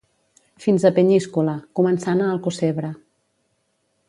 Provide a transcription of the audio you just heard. Fins a Penyíscola, començant a Alcossebre.